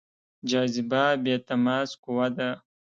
جاذبه بې تماس قوه ده.